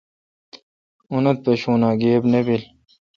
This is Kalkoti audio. اونتھ پشون اؘ گیب نہ بیل۔